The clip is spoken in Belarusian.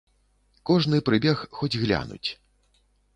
Кожны прыбег хоць глянуць.